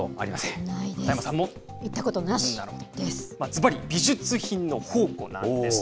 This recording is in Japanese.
ずばり、美術品の宝庫なんです。